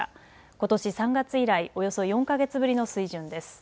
ことし３月以来、およそ４か月ぶりの水準です。